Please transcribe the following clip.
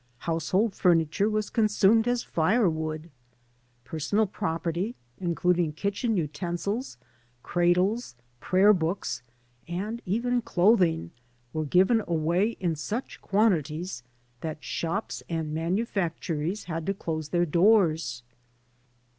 Household furniture was consumed as fire 27 AN AMERICAN IN THE MAKING wood; personal property, induding kitchen utensils, cradles, prayer books, and even clothing, were given away in such quantities that shops and manufactories had to dose their doors.